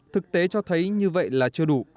thực tế cho thấy như vậy là chưa đủ